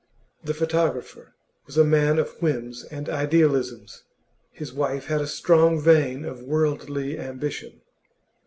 The photographer was a man of whims and idealisms; his wife had a strong vein of worldly ambition.